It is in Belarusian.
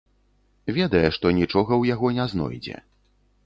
Ведае, што нічога ў яго не знойдзе.